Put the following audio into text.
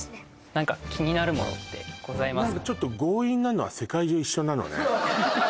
何か気になるものってございますか？